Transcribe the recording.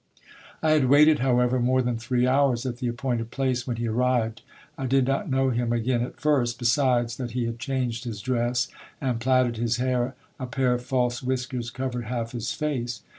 I had waited, however, more than three hours at the appointed place, when he arrived. I did not know him again at first. Besides that he had changed his dress and platted his hair, a pair of false whiskers covered half his face.